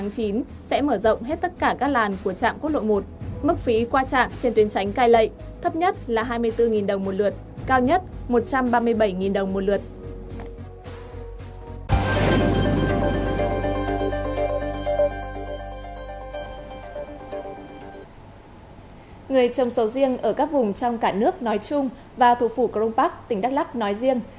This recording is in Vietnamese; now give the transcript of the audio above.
người trồng sầu riêng ở các vùng trong cả nước nói chung và thủ phủ cron park tỉnh đắk lắk nói riêng